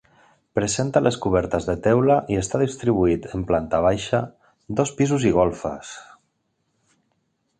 Presenta les cobertes de teula i està distribuït en planta baixa, dos pisos i golfes.